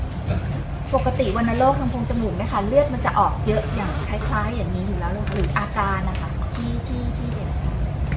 อย่างใกล้อย่างงี้อยู่แล้วหรืออาจารย์ได้อ่ะที่ติดเข้ามา